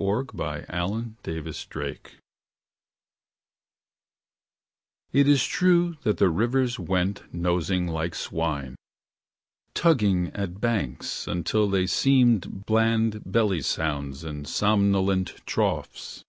3901 503 1076568?urlappend^%3Bseq=127 It is true that the rivers went nosing like swine. Tugging at banks, until they seemed Bland belly sounds in somnolent troughs.